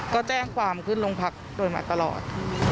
ก็แจ้งความขึ้นโรงพักโดยมาตลอด